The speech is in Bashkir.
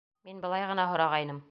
Мин былай ғына һорағайным.